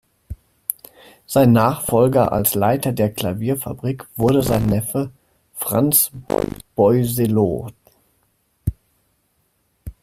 Sein Nachfolger als Leiter der Klavierfabrik wurde sein Neffe Franz Boisselot.